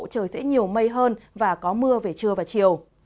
trời sẽ nhiều mây hơn và có mưa về trưa và chiều